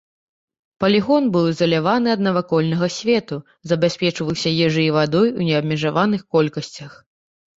Палігон быў ізаляваны ад навакольнага свету, забяспечваўся ежай і вадой у неабмежаваных колькасцях.